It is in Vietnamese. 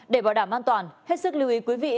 để bảo đảm an toàn hết sức lưu ý quý vị